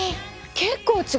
結構違う。